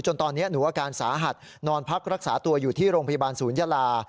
ตอนนี้หนูอาการสาหัสนอนพักรักษาตัวอยู่ที่โรงพยาบาลศูนยาลา